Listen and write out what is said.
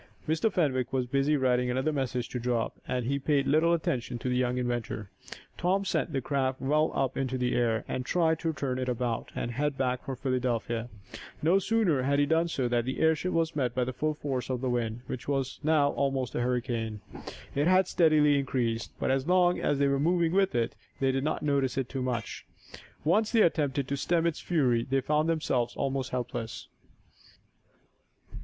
Mr. Fenwick was busy writing another message to drop, and he paid little attention to the young inventor. Tom sent the craft well up into the air, and then tried to turn it about, and head back for Philadelphia. No sooner had he done so than the airship was met by the full force of the wind, which was now almost a hurricane. It had steadily increased, but, as long as they were moving with it, they did not notice it so much. Once they attempted to stem its fury they found themselves almost helpless.